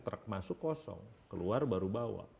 truk masuk kosong keluar baru bawa